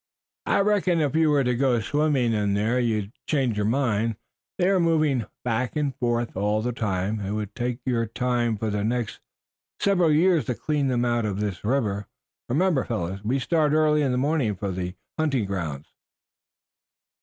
"I reckon if you were to go swimming in there you'd change your mind. They are moving back and forth all the time. It would take your time for the next several years to clean them out of this river. Remember, we start early in the morning for the hunting grounds."